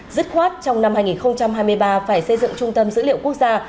dứt khoát trong năm hai nghìn hai mươi ba phải xây dựng trung tâm dữ liệu quốc gia